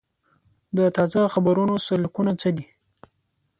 د تازه خبرونو سرلیکونه څه دي؟